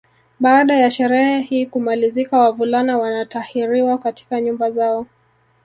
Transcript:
Baada ya sherehe hii kumalizika wavulana wanatahiriwa katika nyumba zao